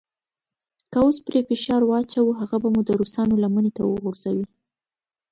که اوس پرې فشار واچوو هغه به مو د روسانو لمنې ته وغورځوي.